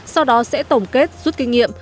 sau đó sẽ tổng kết rút kinh nghiệm